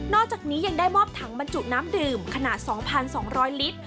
อกจากนี้ยังได้มอบถังบรรจุน้ำดื่มขนาด๒๒๐๐ลิตร